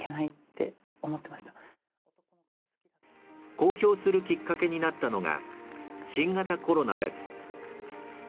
公表するきっかけになったのが新型コロナです